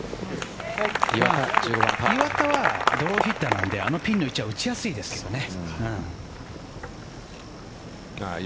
岩田はドローヒッターなのであのピンの位置は打ちやすいですけどね。